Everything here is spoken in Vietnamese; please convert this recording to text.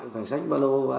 vải sách ba lô